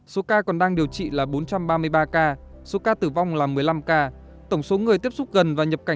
số ca còn đang điều trị là bốn trăm ba mươi ba ca